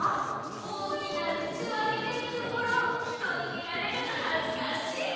おおきなくちをあけてるところひとにみられるのはずかしいのよ。